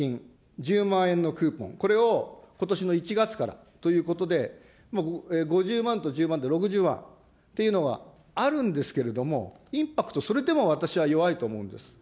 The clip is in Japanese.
１０万円のクーポン、これをことしの１月からということで、５０万と１０万で６０万っていうのがあるんですけれども、インパクト、それでも私は弱いと思うんです。